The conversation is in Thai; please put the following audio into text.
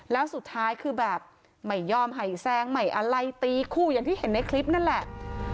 แล้วสุดท้ายคือแบบไม่ยอมให้แซงใหม่อะไรตีคู่อย่างที่เห็นในคลิปนั่นแหละ